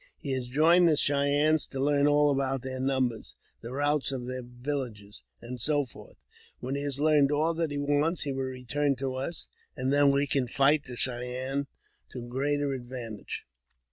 He has joined the Cheyennes to learn all about their numbers, the routes of their villages, and so forth. When he has learned all that he wants, he will return to us, and then we can fight the Cheyennes to greater advantage."